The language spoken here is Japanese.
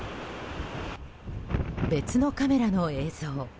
別のカメラの映像。